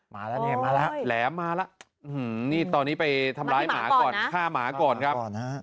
มาแล้วเนี่ยมาแล้วแหลมมาแล้วนี่ตอนนี้ไปทำร้ายหมาก่อนฆ่าหมาก่อนครับ